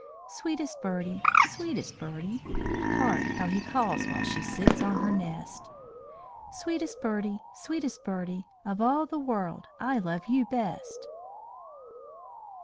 "Sweetest Birdie! Sweetest Birdie!" Hark how he calls while she sits on her nest! "Sweetest Birdie! Sweetest Birdie! Of all the world I love you best."